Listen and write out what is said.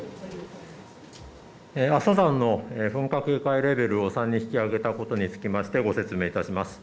阿蘇山の噴火警戒レベルを３に引き上げたことにつきましてご説明いたします。